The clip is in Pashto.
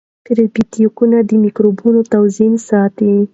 پروبیوتیکونه د مایکروبونو توازن ساتي.